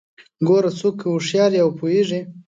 ګوره څوک که لږ هوښيار وي او پوهیږي